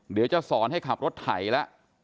เดี๋ยวจะสอนให้ขับรถไถแล้ว